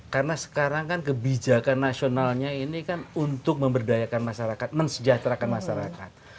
karena sekarang kan kebijakan nasionalnya ini kan untuk memberdayakan masyarakat mensejahterakan masyarakat